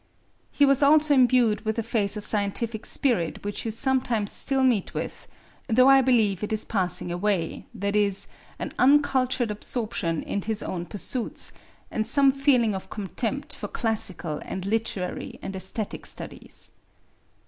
He was also imbued with a phase of scientific spirit which you sometimes still meet with, though I believe it is passing away, viz. an uncultured absorption in his own pursuits, and some feeling of contempt for classical and literary and æsthetic studies.